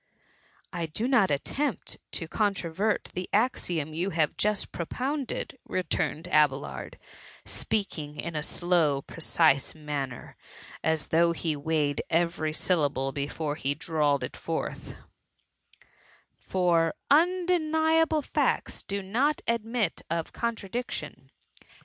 '^^ I do not attempt to controvert the axiom you have just propounded,^' returned Abelard, qieaking in a slow precise manner, as though he weighed every syllable before he drawled it forth :^ tar undeniable facts do not admit of contradiction.